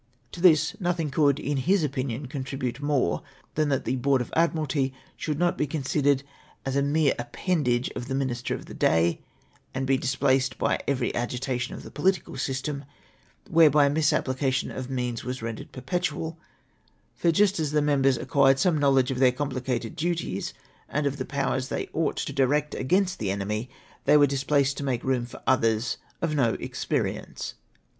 " To this nothing could, in his opinion, contribute more tlian that the Board of Admiralty should not be considered as a mere appendage to the minlstei' of the day, and he dis pjlaced by every agitation of the political system — whereliy misapplication of means was rendered perpetual ; for, just as the members acquired some knowledge of their complicated duties, and of the powers they ouglit to direct against the enemy, they were then displaced, to make ri>om for others of no experience.